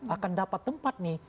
akan dapat tempat nih